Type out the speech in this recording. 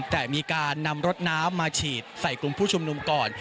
แต่มีการนำรถน้ำมาฉีดใส่กลุ่มผู้ชุมนุมก่อน